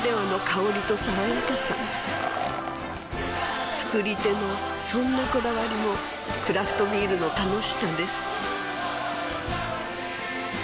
夏ならではの香りと爽やかさ造り手のそんなこだわりもクラフトビールの楽しさです